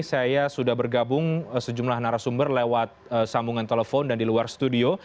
saya sudah bergabung sejumlah narasumber lewat sambungan telepon dan di luar studio